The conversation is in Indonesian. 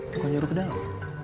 bukan suruh ke dalam